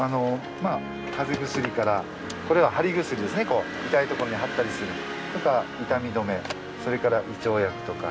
まあ風邪薬からこれは貼り薬ですねこう痛いとこに貼ったりする。とか痛み止めそれから胃腸薬とか。